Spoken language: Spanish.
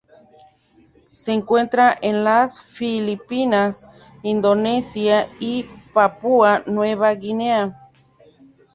Se encuentra en las Filipinas, Indonesia y Papúa Nueva Guinea.